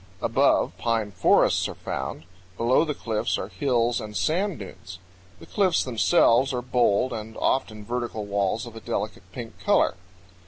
Above, pine forests are found; below the cliffs are hills and sand dunes. The cliffs themselves are bold and often vertical walls of a delicate pink color.